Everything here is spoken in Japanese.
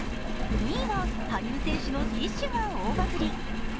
２位は羽生選手のティッシュが大バズり。